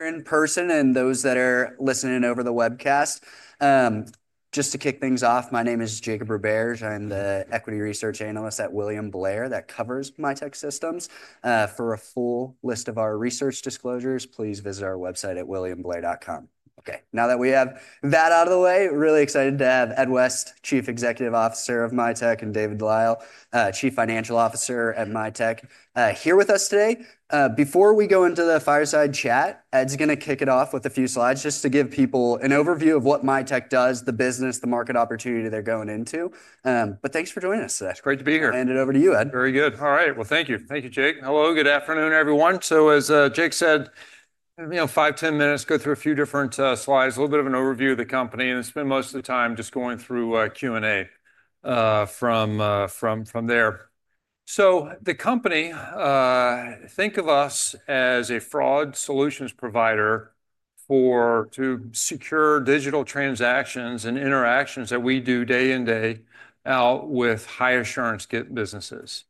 In person and those that are listening over the webcast. Just to kick things off, my name is Jake Roberge. I'm the equity research analyst at William Blair that covers Mitek Systems. For a full list of our research disclosures, please visit our website at williamblair.com. Okay, now that we have that out of the way, really excited to have Ed West, Chief Executive Officer of Mitek, and Dave Lyle, Chief Financial Officer at Mitek, here with us today. Before we go into the fireside chat, Ed's going to kick it off with a few slides just to give people an overview of what Mitek does, the business, the market opportunity they're going into. But thanks for joining us today. It's great to be here. Hand it over to you, Ed. Very good. All right. Thank you. Thank you, Jake. Hello, good afternoon, everyone. As Jake said, you know, five, ten minutes, go through a few different slides, a little bit of an overview of the company, and spend most of the time just going through Q&A from there. The company, think of us as a fraud solutions provider for secure digital transactions and interactions that we do day in, day out with high assurance businesses.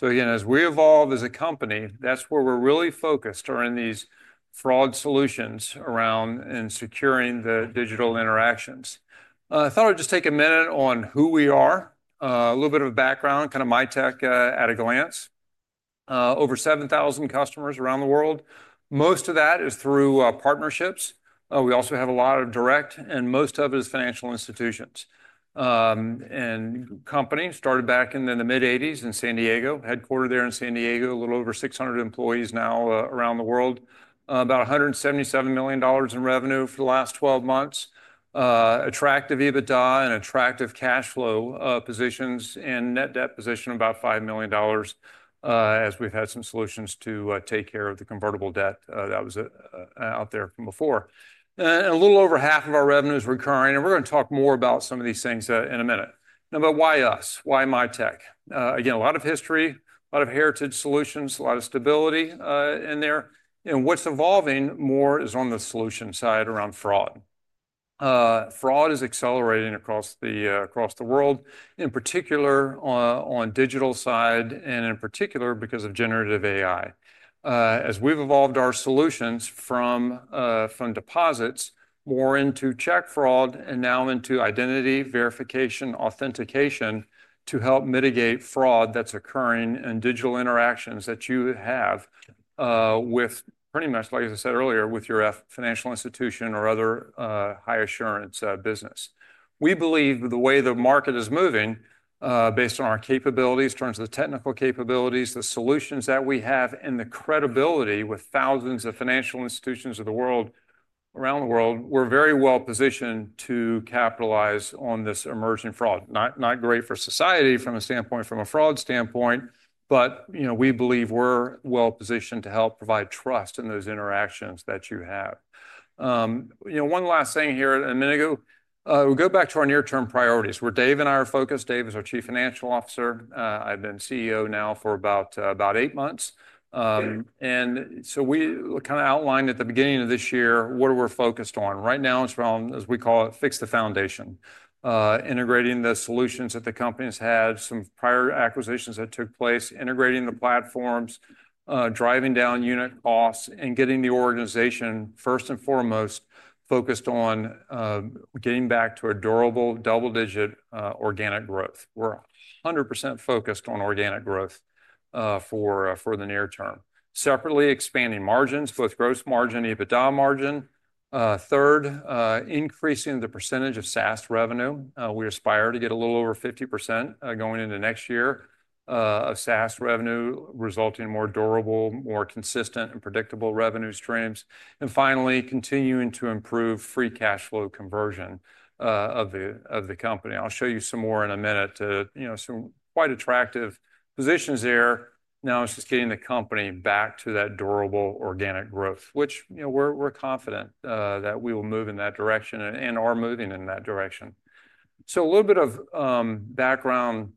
Again, as we evolve as a company, that's where we're really focused on these fraud solutions around and securing the digital interactions. I thought I'd just take a minute on who we are, a little bit of a background, kind of Mitek at a glance. Over 7,000 customers around the world. Most of that is through partnerships. We also have a lot of direct, and most of it is financial institutions and companies started back in the mid-1980s in San Diego, headquartered there in San Diego, a little over 600 employees now around the world, about $177 million in revenue for the last 12 months, attractive EBITDA and attractive cash flow positions and net debt position of about $5 million as we've had some solutions to take care of the convertible debt that was out there from before. A little over half of our revenue is recurring, and we're going to talk more about some of these things in a minute. Now, but why us? Why Mitek? Again, a lot of history, a lot of heritage solutions, a lot of stability in there. What's evolving more is on the solution side around fraud. Fraud is accelerating across the world, in particular on the digital side, and in particular because of generative AI. As we've evolved our solutions from deposits more into check fraud and now into identity verification, authentication to help mitigate fraud that's occurring in digital interactions that you have with pretty much, like I said earlier, with your financial institution or other high assurance business. We believe the way the market is moving based on our capabilities in terms of the technical capabilities, the solutions that we have, and the credibility with thousands of financial institutions of the world around the world, we're very well positioned to capitalize on this emerging fraud. Not great for society from a standpoint, from a fraud standpoint, but we believe we're well positioned to help provide trust in those interactions that you have. One last thing here a minute ago, we go back to our near-term priorities. Where Dave and I are focused, Dave is our Chief Financial Officer. I've been CEO now for about eight months. And so we kind of outlined at the beginning of this year what we're focused on. Right now, as we call it, fix the foundation, integrating the solutions that the company has had, some prior acquisitions that took place, integrating the platforms, driving down unit costs, and getting the organization, first and foremost, focused on getting back to a durable double-digit organic growth. We're 100% focused on organic growth for the near term. Separately, expanding margins, both gross margin and EBITDA margin. Third, increasing the percentage of SaaS revenue. We aspire to get a little over 50% going into next year of SaaS revenue, resulting in more durable, more consistent, and predictable revenue streams. Finally, continuing to improve free cash flow conversion of the company. I'll show you some more in a minute, some quite attractive positions there. Now, it's just getting the company back to that durable organic growth, which we're confident that we will move in that direction and are moving in that direction. A little bit of background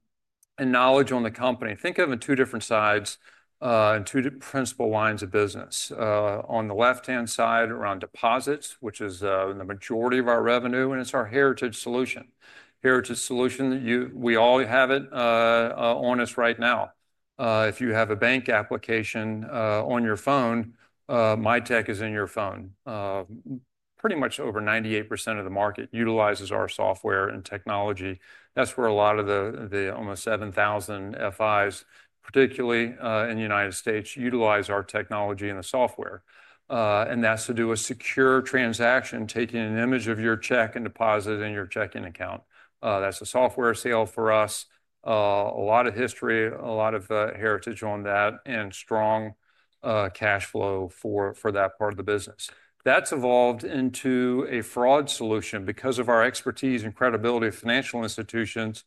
and knowledge on the company. Think of it in two different sides, two principal lines of business. On the left-hand side, around deposits, which is the majority of our revenue, and it's our heritage solution. Heritage solution, we all have it on us right now. If you have a bank application on your phone, Mitek is in your phone. Pretty much over 98% of the market utilizes our software and technology. That's where a lot of the almost 7,000 FIs, particularly in the United States, utilize our technology and the software. That is to do a secure transaction, taking an image of your check and deposit in your checking account. That is a software sale for us. A lot of history, a lot of heritage on that, and strong cash flow for that part of the business. That has evolved into a fraud solution. Because of our expertise and credibility of financial institutions,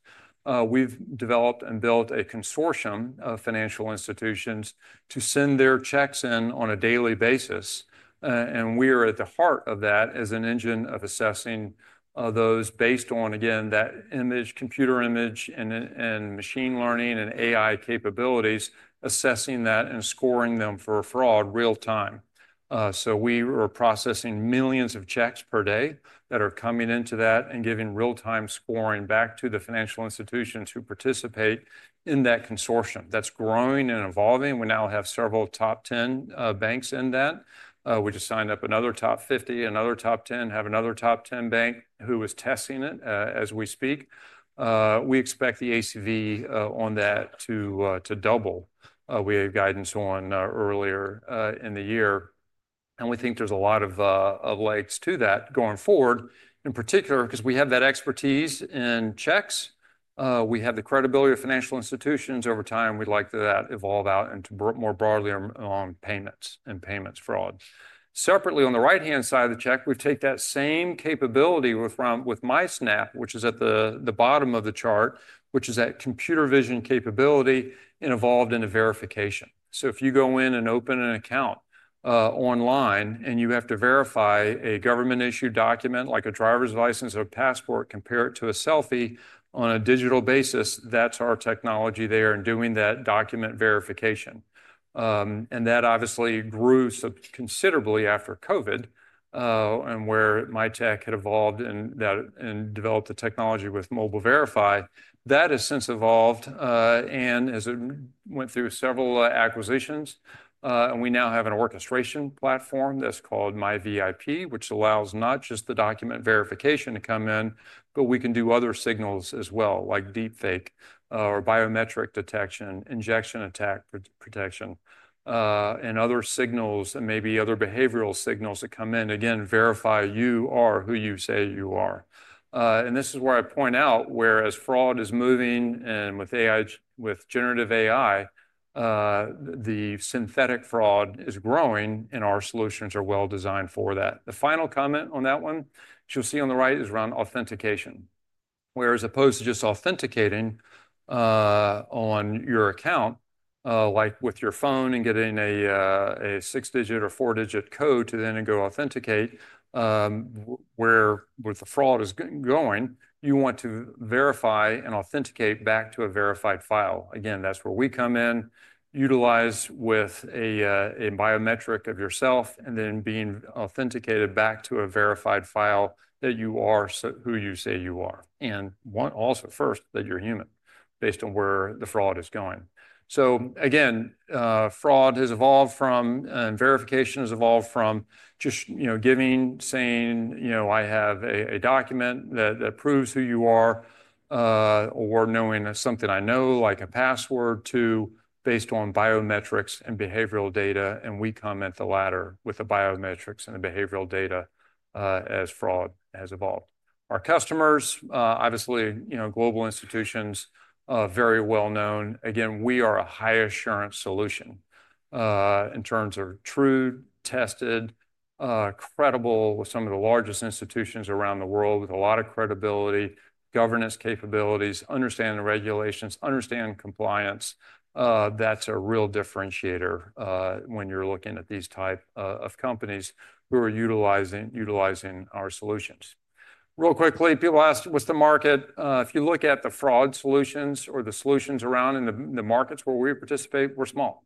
we have developed and built a consortium of financial institutions to send their checks in on a daily basis. We are at the heart of that as an engine of assessing those based on, again, that image, computer image, and machine learning and AI capabilities, assessing that and scoring them for fraud real time. We are processing millions of checks per day that are coming into that and giving real-time scoring back to the financial institutions who participate in that consortium. That is growing and evolving. We now have several top 10 banks in that. We just signed up another top 50, another top 10, have another top 10 bank who is testing it as we speak. We expect the ACV on that to double. We had guidance on earlier in the year. We think there's a lot of legs to that going forward, in particular because we have that expertise in checks. We have the credibility of financial institutions over time. We'd like that to evolve out into more broadly along payments and payments fraud. Separately, on the right-hand side of the check, we've taken that same capability with MySnap, which is at the bottom of the chart, which is that computer vision capability and evolved into verification. If you go in and open an account online and you have to verify a government-issued document like a driver's license or passport, compare it to a selfie on a digital basis, that's our technology there in doing that document verification. That obviously grew considerably after COVID and where Mitek had evolved and developed the technology with Mobile Verify. That has since evolved and has gone through several acquisitions. We now have an orchestration platform that's called MyVIP, which allows not just the document verification to come in, but we can do other signals as well, like deepfake or biometric detection, injection attack protection, and other signals and maybe other behavioral signals that come in, again, verify you are who you say you are. This is where I point out whereas fraud is moving and with generative AI, the synthetic fraud is growing and our solutions are well designed for that. The final comment on that one, which you'll see on the right, is around authentication. Whereas opposed to just authenticating on your account, like with your phone and getting a six-digit or four-digit code to then go authenticate, where with the fraud is going, you want to verify and authenticate back to a verified file. Again, that's where we come in, utilize with a biometric of yourself and then being authenticated back to a verified file that you are who you say you are. Also first that you're human based on where the fraud is going. Fraud has evolved from and verification has evolved from just giving, saying, "I have a document that proves who you are," or knowing something I know, like a password based on biometrics and behavioral data. We comment the latter with the biometrics and the behavioral data as fraud has evolved. Our customers, obviously, global institutions, very well known. We are a high assurance solution in terms of true, tested, credible with some of the largest institutions around the world with a lot of credibility, governance capabilities, understand the regulations, understand compliance. That is a real differentiator when you are looking at these types of companies who are utilizing our solutions. Real quickly, people asked, what is the market? If you look at the fraud solutions or the solutions around in the markets where we participate, we are small.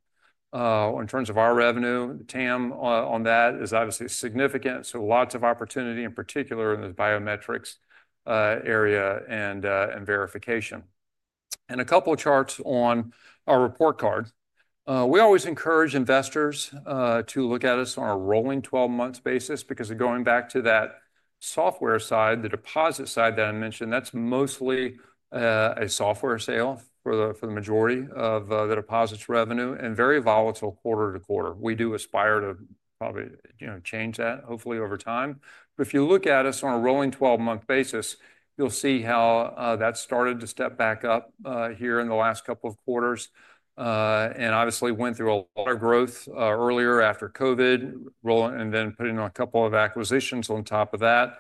In terms of our revenue, the TAM on that is obviously significant. Lots of opportunity in particular in the biometrics area and verification. A couple of charts on our report card. We always encourage investors to look at us on a rolling 12-month basis because going back to that software side, the deposit side that I mentioned, that's mostly a software sale for the majority of the deposits revenue and very volatile quarter to quarter. We do aspire to probably change that hopefully over time. If you look at us on a rolling 12-month basis, you'll see how that started to step back up here in the last couple of quarters. Obviously went through a lot of growth earlier after COVID and then putting on a couple of acquisitions on top of that.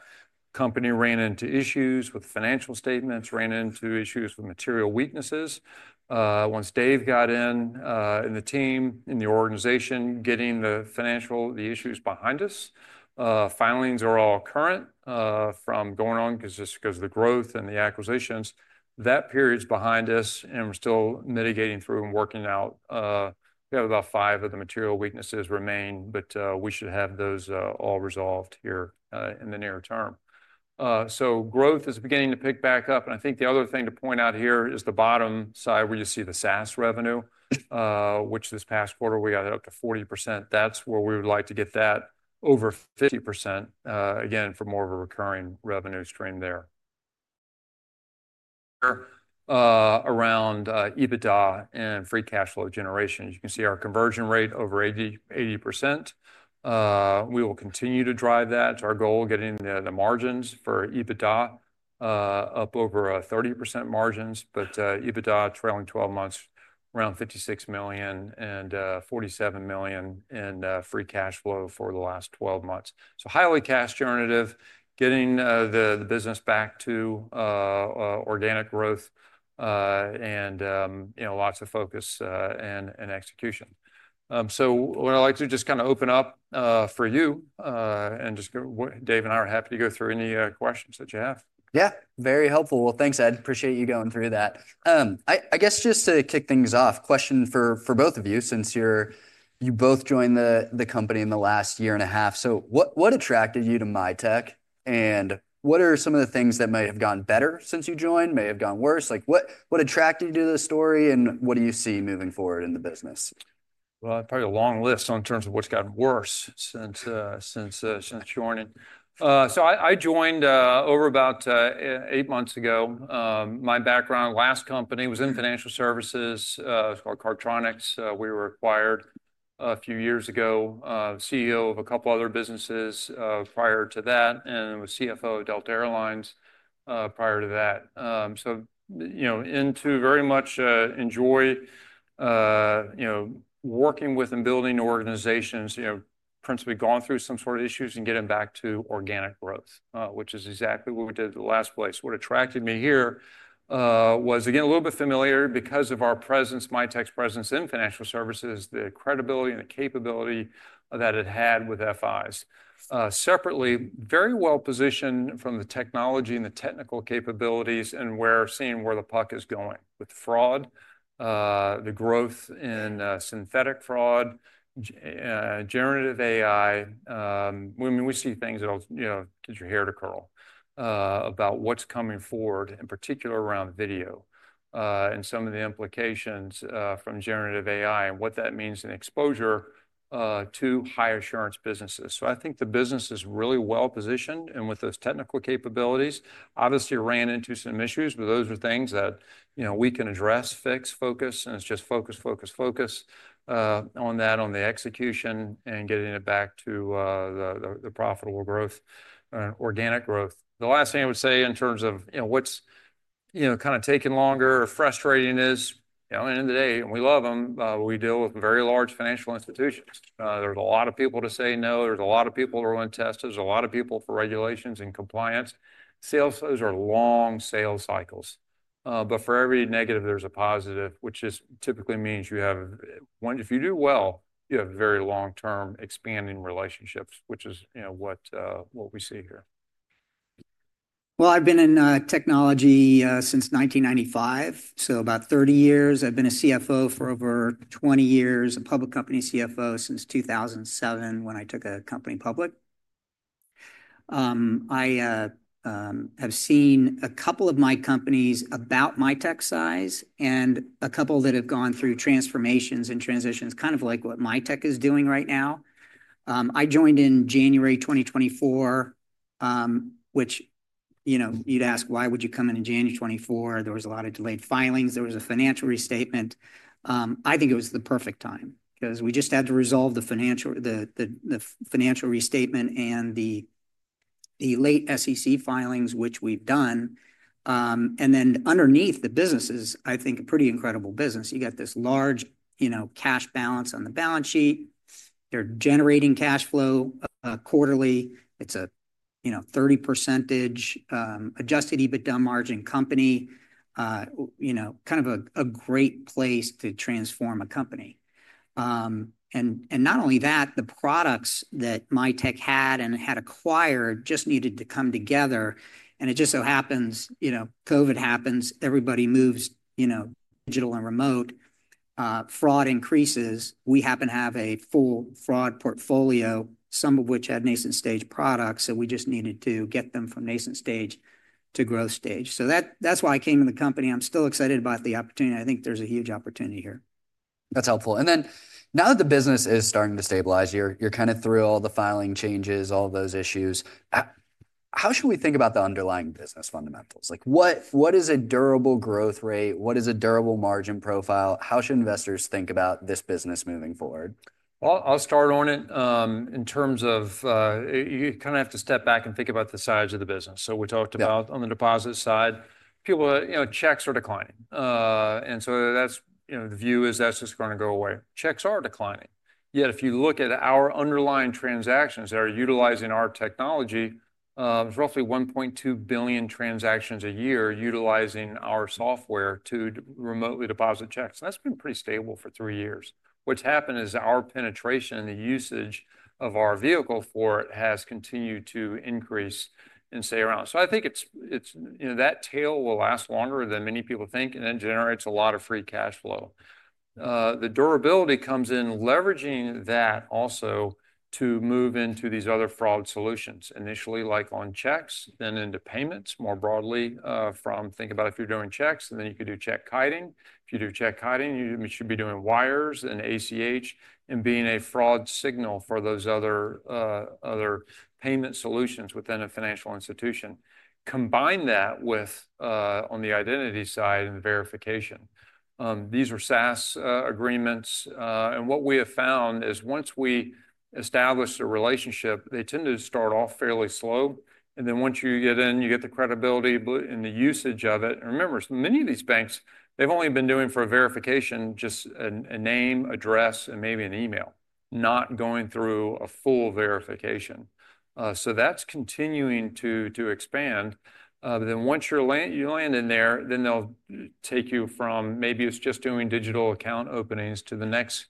Company ran into issues with financial statements, ran into issues with material weaknesses. Once Dave got in the team, in the organization, getting the financial issues behind us, filings are all current from going on because of the growth and the acquisitions. That period is behind us and we're still mitigating through and working out. We have about five of the material weaknesses remain, but we should have those all resolved here in the near term. Growth is beginning to pick back up. I think the other thing to point out here is the bottom side where you see the SaaS revenue, which this past quarter we got up to 40%. That's where we would like to get that over 50%, again, for more of a recurring revenue stream there. Around EBITDA and free cash flow generation, you can see our conversion rate over 80%. We will continue to drive that. It's our goal of getting the margins for EBITDA up over 30% margins, but EBITDA trailing 12 months, around $56 million and $47 million in free cash flow for the last 12 months. Highly cash generative, getting the business back to organic growth and lots of focus and execution. What I'd like to just kind of open up for you and just Dave and I are happy to go through any questions that you have. Yeah, very helpful. Thanks, Ed. Appreciate you going through that. I guess just to kick things off, question for both of you since you both joined the company in the last year and a half. What attracted you to Mitek and what are some of the things that may have gone better since you joined, may have gone worse? What attracted you to the story and what do you see moving forward in the business? Probably a long list in terms of what's gotten worse since joining. I joined over about eight months ago. My background, last company was in financial services. It was called Cartronics. We were acquired a few years ago, CEO of a couple of other businesses prior to that, and was CFO of Delta Airlines prior to that. I very much enjoy working with and building organizations, principally gone through some sort of issues and getting back to organic growth, which is exactly what we did at the last place. What attracted me here was, again, a little bit familiar because of our presence, Mitek's presence in financial services, the credibility and the capability that it had with FIs. Separately, very well positioned from the technology and the technical capabilities and seeing where the puck is going with fraud, the growth in synthetic fraud, generative AI. We see things that get your hair to curl about what's coming forward, in particular around video and some of the implications from generative AI and what that means in exposure to high-assurance businesses. I think the business is really well positioned and with those technical capabilities. Obviously, ran into some issues, but those are things that we can address, fix, focus, and it's just focus, focus, focus on that, on the execution and getting it back to the profitable growth and organic growth. The last thing I would say in terms of what's kind of taken longer or frustrating is at the end of the day, we love them, but we deal with very large financial institutions. are a lot of people to say no. There are a lot of people to run tests. There are a lot of people for regulations and compliance. Sales are long sales cycles. For every negative, there is a positive, which just typically means you have, if you do well, you have very long-term expanding relationships, which is what we see here. I have been in technology since 1995, so about 30 years. I have been a CFO for over 20 years, a public company CFO since 2007 when I took a company public. I have seen a couple of my companies about Mitek size and a couple that have gone through transformations and transitions, kind of like what Mitek is doing right now. I joined in January 2024, which you would ask, why would you come in in January 2024? There was a lot of delayed filings. There was a financial restatement. I think it was the perfect time because we just had to resolve the financial restatement and the late SEC filings, which we've done. Underneath the businesses, I think a pretty incredible business. You got this large cash balance on the balance sheet. They're generating cash flow quarterly. It's a 30% adjusted EBITDA margin company, kind of a great place to transform a company. Not only that, the products that Mitek had and had acquired just needed to come together. It just so happens COVID happens, everybody moves digital and remote. Fraud increases. We happen to have a full fraud portfolio, some of which had nascent stage products. We just needed to get them from nascent stage to growth stage. That's why I came in the company. I'm still excited about the opportunity. I think there's a huge opportunity here. That's helpful. Now that the business is starting to stabilize, you're kind of through all the filing changes, all those issues. How should we think about the underlying business fundamentals? What is a durable growth rate? What is a durable margin profile? How should investors think about this business moving forward? I'll start on it. In terms of you kind of have to step back and think about the size of the business. We talked about on the deposit side, checks are declining. The view is that's just going to go away. Checks are declining. Yet if you look at our underlying transactions that are utilizing our technology, there's roughly 1.2 billion transactions a year utilizing our software to remotely deposit checks. That's been pretty stable for three years. What's happened is our penetration and the usage of our vehicle for it has continued to increase and stay around. I think that tail will last longer than many people think and then generates a lot of free cash flow. The durability comes in leveraging that also to move into these other fraud solutions. Initially like on checks, then into payments more broadly from think about if you're doing checks, then you could do check hiding. If you do check hiding, you should be doing wires and ACH and being a fraud signal for those other payment solutions within a financial institution. Combine that with on the identity side and verification. These are SaaS agreements. What we have found is once we establish a relationship, they tend to start off fairly slow. Once you get in, you get the credibility and the usage of it. Remember, many of these banks, they've only been doing for verification just a name, address, and maybe an email, not going through a full verification. That is continuing to expand. Once you land in there, they'll take you from maybe it's just doing digital account openings to the next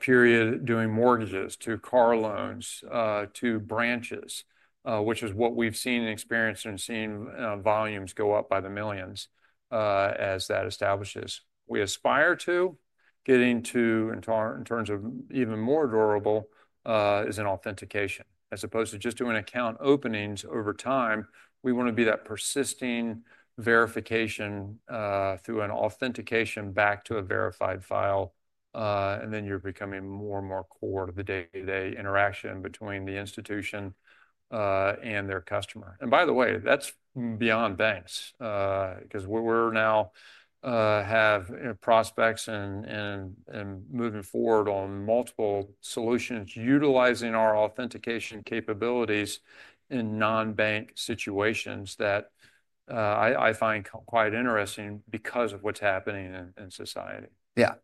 period doing mortgages to car loans to branches, which is what we've seen and experienced and seen volumes go up by the millions as that establishes. We aspire to getting to in terms of even more durable is an authentication as opposed to just doing account openings over time. We want to be that persisting verification through an authentication back to a verified file. You are becoming more and more core to the day-to-day interaction between the institution and their customer. By the way, that's beyond banks because we now have prospects and moving forward on multiple solutions utilizing our authentication capabilities in non-bank situations that I find quite interesting because of what's happening in society. Yeah,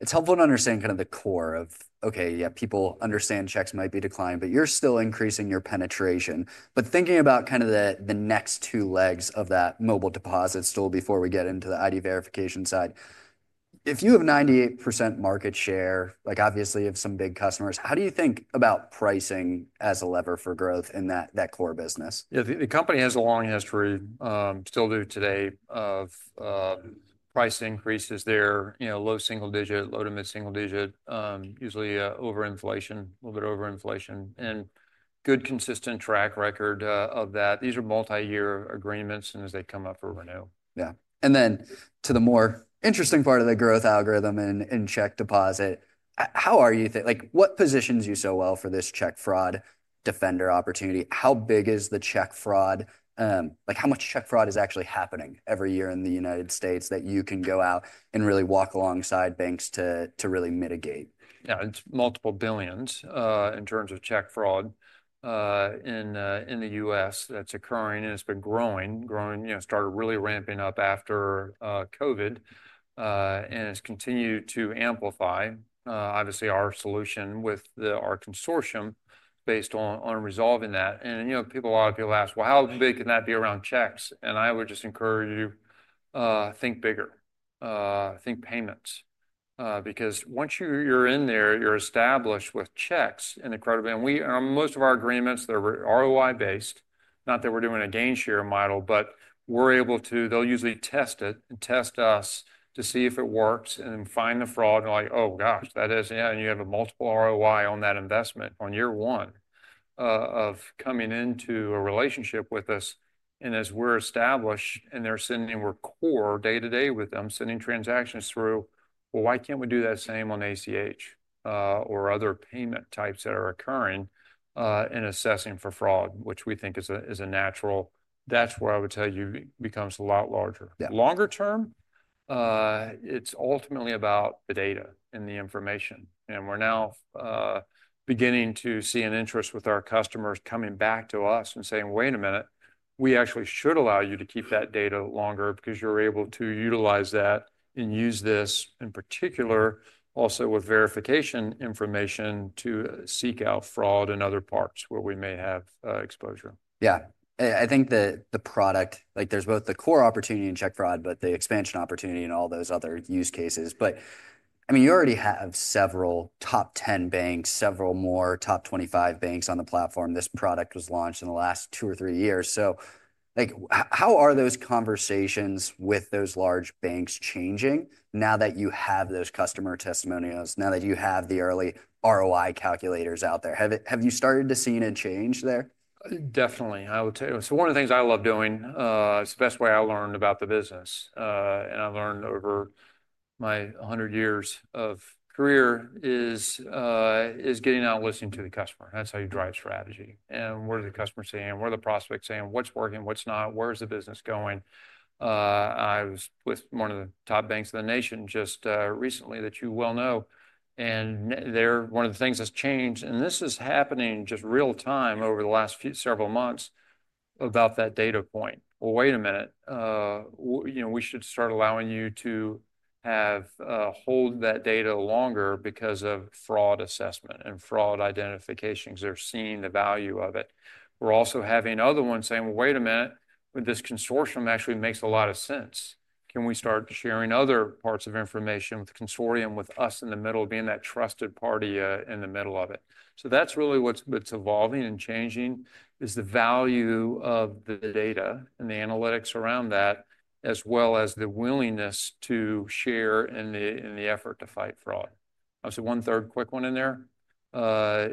it's helpful to understand kind of the core of, okay, yeah, people understand checks might be declined, but you're still increasing your penetration. Thinking about kind of the next two legs of that mobile deposit still before we get into the ID verification side. If you have 98% market share, obviously you have some big customers, how do you think about pricing as a lever for growth in that core business? Yeah, the company has a long history, still do today, of price increases. They're low single digit, low to mid single digit, usually over inflation, a little bit over inflation, and good consistent track record of that. These are multi-year agreements and as they come up for renew. Yeah. And then to the more interesting part of the growth algorithm and check deposit, how are you thinking? What positions you so well for this Check Fraud Defender opportunity? How big is the check fraud? How much check fraud is actually happening every year in the U.S. that you can go out and really walk alongside banks to really mitigate? Yeah, it's multiple billions in terms of check fraud in the U.S. that's occurring. It's been growing, growing, started really ramping up after COVID. It's continued to amplify, obviously, our solution with our consortium based on resolving that. A lot of people ask, well, how big can that be around checks? I would just encourage you to think bigger, think payments. Because once you're in there, you're established with checks and the credibility. Most of our agreements, they're ROI based, not that we're doing a gain share model, but we're able to, they'll usually test it and test us to see if it works and find the fraud and like, oh gosh, that is, and you have a multiple ROI on that investment on year one of coming into a relationship with us. As we're established and they're sitting and we're core day-to-day with them sending transactions through, well, why can't we do that same on ACH or other payment types that are occurring and assessing for fraud, which we think is a natural, that's where I would tell you becomes a lot larger. Longer term, it's ultimately about the data and the information. We're now beginning to see an interest with our customers coming back to us and saying, wait a minute, we actually should allow you to keep that data longer because you're able to utilize that and use this in particular also with verification information to seek out fraud in other parts where we may have exposure. Yeah. I think the product, there's both the core opportunity in check fraud, but the expansion opportunity in all those other use cases. I mean, you already have several top 10 banks, several more top 25 banks on the platform. This product was launched in the last two or three years. How are those conversations with those large banks changing now that you have those customer testimonials, now that you have the early ROI calculators out there? Have you started to see any change there? Definitely, I would tell you. One of the things I love doing, it's the best way I learned about the business and I learned over my 100 years of career is getting out and listening to the customer. That's how you drive strategy. What are the customers saying? What are the prospects saying? What's working, what's not? Where's the business going? I was with one of the top banks of the nation just recently that you well know. One of the things that's changed, and this is happening just real time over the last several months about that data point. Wait a minute, we should start allowing you to hold that data longer because of fraud assessment and fraud identifications are seeing the value of it. We're also having other ones saying, wait a minute, this consortium actually makes a lot of sense. Can we start sharing other parts of information with consortium with us in the middle of being that trusted party in the middle of it? That is really what is evolving and changing, the value of the data and the analytics around that, as well as the willingness to share in the effort to fight fraud. I will say one third quick one in there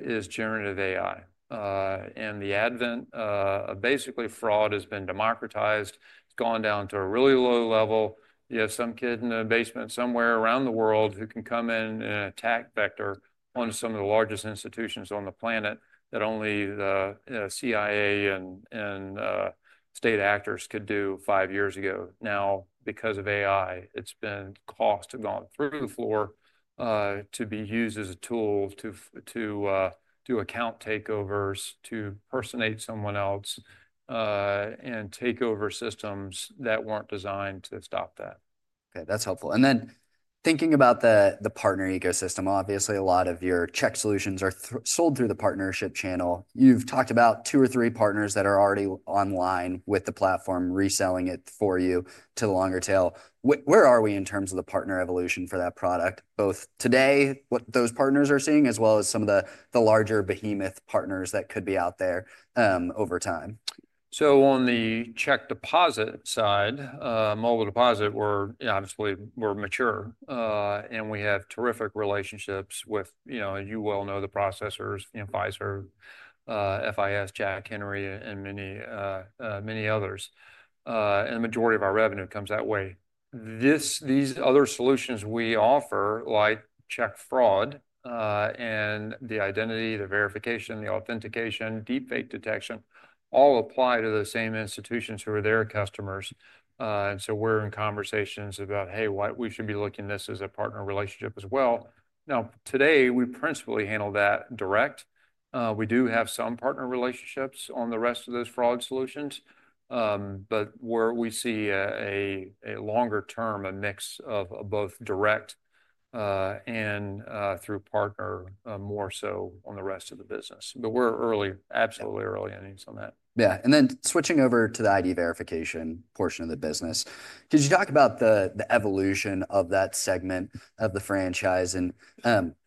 is generative AI. The advent of basically fraud has been democratized. It has gone down to a really low level. You have some kid in the basement somewhere around the world who can come in and attack vector on some of the largest institutions on the planet that only the CIA and state actors could do five years ago. Now, because of AI, it's been cost to go through the floor to be used as a tool to account takeovers, to impersonate someone else and takeover systems that weren't designed to stop that. Okay, that's helpful. Then thinking about the partner ecosystem, obviously a lot of your check solutions are sold through the partnership channel. You've talked about two or three partners that are already online with the platform reselling it for you to the longer tail. Where are we in terms of the partner evolution for that product, both today, what those partners are seeing, as well as some of the larger behemoth partners that could be out there over time? On the check deposit side, Mobile Deposit, we're obviously mature and we have terrific relationships with, as you well know, the processors, Fiserv, FIS, Jack Henry, and many others. The majority of our revenue comes that way. These other solutions we offer, like check fraud and the identity, the verification, the authentication, deep fake detection, all apply to the same institutions who are their customers. We're in conversations about, hey, we should be looking at this as a partner relationship as well. Today, we principally handle that direct. We do have some partner relationships on the rest of those fraud solutions, but where we see a longer term, a mix of both direct and through partner more so on the rest of the business. We're early, absolutely early on that. Yeah. Switching over to the ID verification portion of the business, could you talk about the evolution of that segment of the franchise and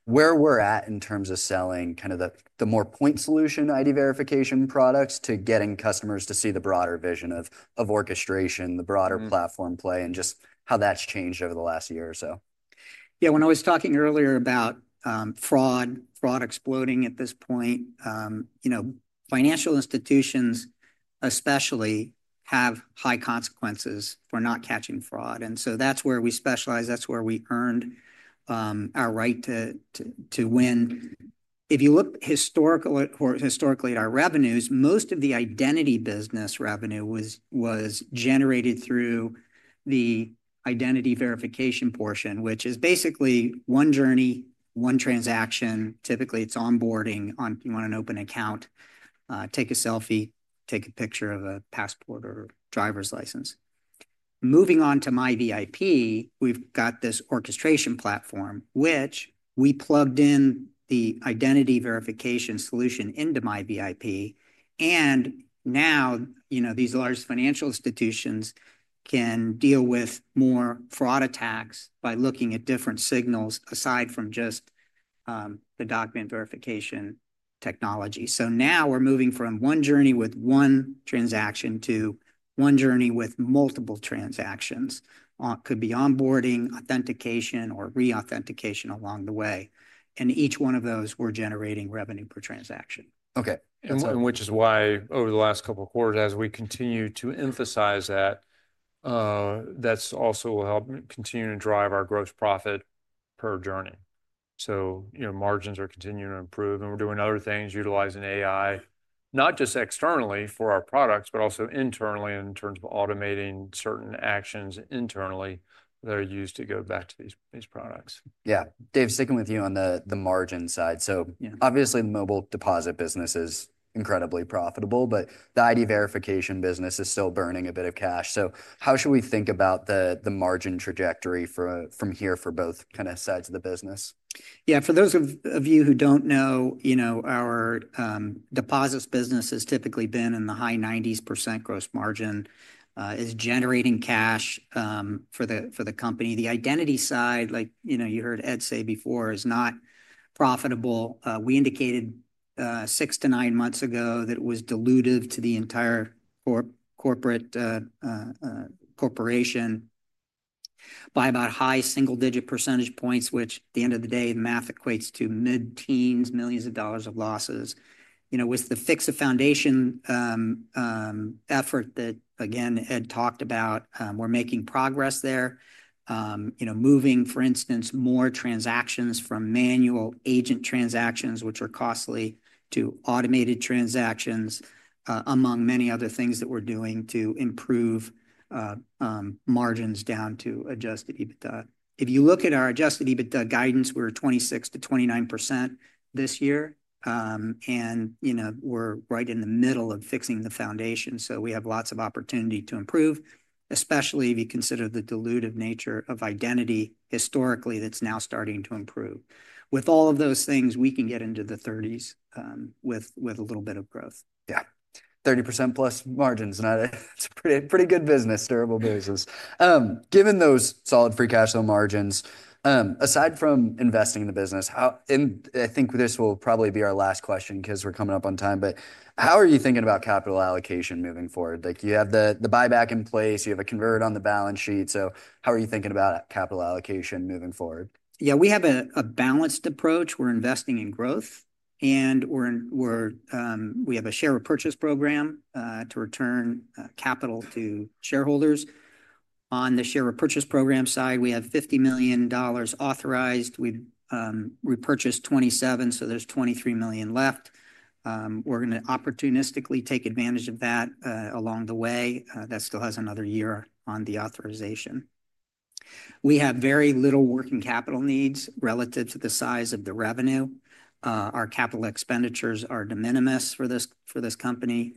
where we're at in terms of selling kind of the more point solution ID verification products to getting customers to see the broader vision of orchestration, the broader platform play, and just how that's changed over the last year or so? Yeah, when I was talking earlier about fraud, fraud exploding at this point, financial institutions especially have high consequences for not catching fraud. That is where we specialize. That is where we earned our right to win. If you look historically at our revenues, most of the identity business revenue was generated through the identity verification portion, which is basically one journey, one transaction. Typically, it's onboarding on if you want an open account, take a selfie, take a picture of a passport or driver's license. Moving on to MyVIP, we've got this orchestration platform, which we plugged in the identity verification solution into MyVIP. Now these large financial institutions can deal with more fraud attacks by looking at different signals aside from just the document verification technology. Now we're moving from one journey with one transaction to one journey with multiple transactions. It could be onboarding, authentication, or reauthentication along the way. Each one of those, we're generating revenue per transaction. Okay. Which is why over the last couple of quarters, as we continue to emphasize that, that's also will help continue to drive our gross profit per journey. Margins are continuing to improve. We're doing other things utilizing AI, not just externally for our products, but also internally in terms of automating certain actions internally that are used to go back to these products. Yeah. Dave, sticking with you on the margin side. Obviously, the Mobile Deposit business is incredibly profitable, but the ID verification business is still burning a bit of cash. How should we think about the margin trajectory from here for both kind of sides of the business? Yeah. For those of you who do not know, our deposits business has typically been in the high 90% gross margin, is generating cash for the company. The identity side, like you heard Ed say before, is not profitable. We indicated six to nine months ago that it was dilutive to the entire corporation by about high single digit percentage points, which at the end of the day, the math equates to mid-teens, millions of dollars of losses. With the Fix a Foundation effort that, again, Ed talked about, we're making progress there. Moving, for instance, more transactions from manual agent transactions, which are costly, to automated transactions, among many other things that we're doing to improve margins down to adjusted EBITDA. If you look at our adjusted EBITDA guidance, we're 26%-29% this year. And we're right in the middle of fixing the foundation. So we have lots of opportunity to improve, especially if you consider the dilutive nature of identity historically that's now starting to improve. With all of those things, we can get into the 30s with a little bit of growth. Yeah. 30% plus margins. It's a pretty good business. Durable business. Given those solid free cash flow margins, aside from investing in the business, and I think this will probably be our last question because we're coming up on time, how are you thinking about capital allocation moving forward? You have the buyback in place. You have a convert on the balance sheet. How are you thinking about capital allocation moving forward? Yeah, we have a balanced approach. We're investing in growth. We have a share repurchase program to return capital to shareholders. On the share repurchase program side, we have $50 million authorized. We purchased $27 million, so there's $23 million left. We're going to opportunistically take advantage of that along the way. That still has another year on the authorization. We have very little working capital needs relative to the size of the revenue. Our capital expenditures are de minimis for this company.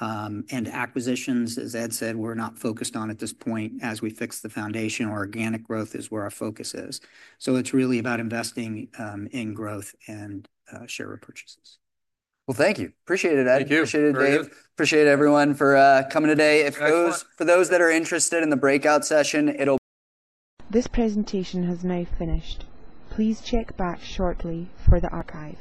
Acquisitions, as Ed said, we're not focused on at this point as we fix the foundation. Organic growth is where our focus is. It is really about investing in growth and share of purchases. Thank you. Appreciate it, Ed. Thank you. Appreciate it, Dave. Appreciate it, everyone, for coming today. If those that are interested in the breakout session, this presentation has now finished. Please check back shortly for the archive.